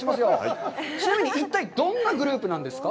ちなみにいったいどんなグループなんですか？